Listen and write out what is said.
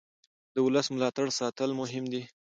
د ولس ملاتړ ساتل مهم دي